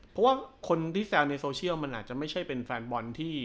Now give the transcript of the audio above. เพราะว่าคนที่แซวในโซเชียลมันอาจจะไม่ใช่เป็นแฟนบอลที่